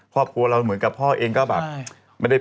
พ่อครัวเราเหมือนกับพ่อเองก็แบบ